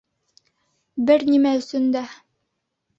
Бер нимә өсөн дә.